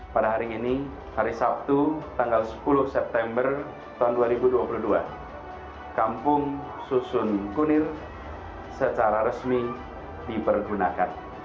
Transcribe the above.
pada hari ini hari sabtu tanggal sepuluh september tahun dua ribu dua puluh dua kampung susun kunir secara resmi dipergunakan